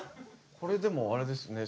これでもあれですね